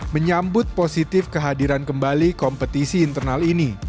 menyambut positif kehadiran kembali kompetisi internal ini